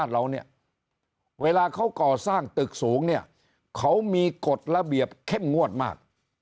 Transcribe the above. แล้วเขาก่อสร้างตึกสูงเนี่ยเขามีกฎระเบียบเข้มงวดมาก